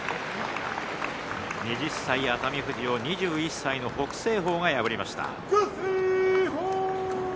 ２０歳、熱海富士を２１歳、北青鵬が破りました。